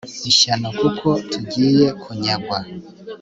ishyano kuko tugiye kunyagwa